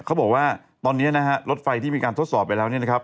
เค้าบอกว่าตอนนี้นะฮะรถไฟที่มีการทดสอบ